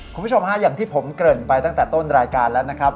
คุณผู้ชมฮะอย่างที่ผมเกริ่นไปตั้งแต่ต้นรายการแล้วนะครับ